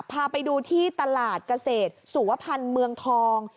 พาไปดูที่ตลาดเกษตรสุวพันธ์เมืองทอง